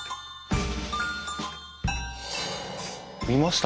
見ました。